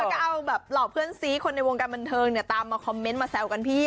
ก็เอาหล่อเพื่อนซี้คนในวงการบรรเทิงตามมาคอมเม้นต์มาแซวกันเย็บ